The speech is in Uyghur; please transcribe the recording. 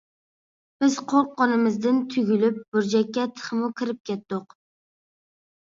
بىز قورققىنىمىزدىن تۈگۈلۈپ بۇرجەككە تېخىمۇ كېرىپ كەتتۇق.